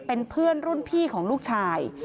เป็นเพื่อนรุ่นพี่ของลูกชาย